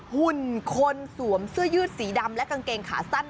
หุ่นคนสวมเสื้อยืดสีดำและกางเกงขาสั้น